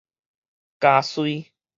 茄榱